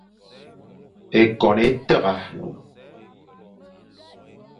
Ékôn é tagha.